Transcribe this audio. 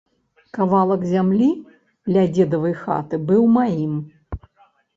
Кавалак зямлі ля дзедавай хаты быў маім.